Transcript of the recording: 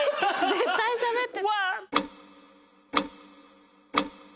絶対しゃべって。